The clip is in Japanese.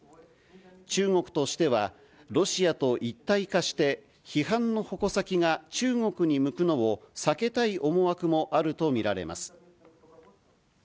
中国としては、ロシアと一体化して、批判の矛先が中国に向くのを避けたい思惑もあると見られます。